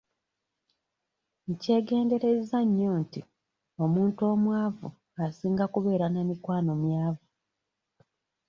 Nkyegenderezza nnyo nti omuntu omwavu asinga kubeera na mikwano myavu.